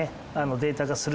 データ化する。